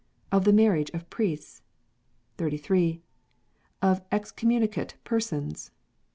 Of the Marriage of Priests. 33. Of Excommunicate Persons.